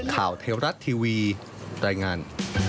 ข่าวเทวรัฐทีวีรายงาน